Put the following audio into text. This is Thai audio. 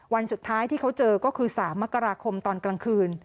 วันสุดท้ายที่เขาเจอก็คือ๓มกราคมตอนกลางคืน